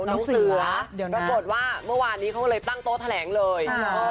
น้องเสือปรากฏว่าเมื่อวานนี้เขาก็เลยตั้งโต๊ะแถลงเลย